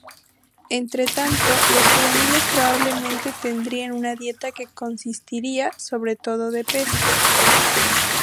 Entretanto, los juveniles probablemente tendrían una dieta que consistiría sobre todo de peces.